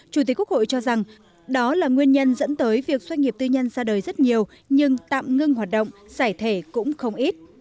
chủ tịch quốc hội cho rằng đó là nguyên nhân dẫn tới việc doanh nghiệp tư nhân ra đời rất nhiều nhưng tạm ngưng hoạt động giải thể cũng không ít